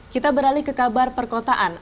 kita beralih ke kabar perkotaan